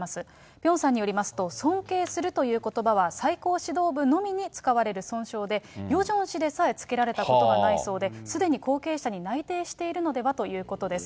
ピョンさんによりますと、尊敬するということばは、最高指導部のみに使われる尊称で、ヨジョン氏でさえ付けられたことがないそうで、すでに後継者に内定しているのではということです。